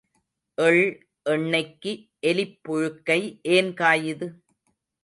எள் எண்ணெய்க்கு எலிப் புழுக்கை ஏன் காயுது?